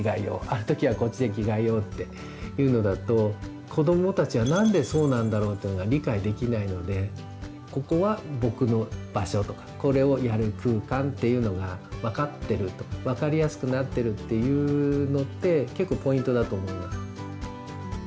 「ある時はこっちで着替えよう」っていうのだと子どもたちは「なんでそうなんだろう？」っていうのが理解できないので「ここは僕の場所」とか「これをやる空間」っていうのが分かってると分かりやすくなってるっていうのって結構ポイントだと思います。